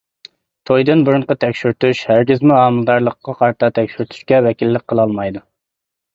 تويدىن بۇرۇنقى تەكشۈرتۈش ھەرگىزمۇ ھامىلىدارلىققا قارىتا تەكشۈرتۈشكە ۋەكىللىك قىلالمايدۇ.